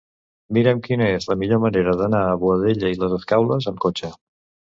Mira'm quina és la millor manera d'anar a Boadella i les Escaules amb cotxe.